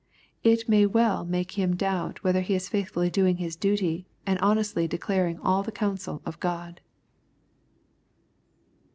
It may well make him doubt whether he is faithfully doing his duty, and honestly de claring all the counsel of God.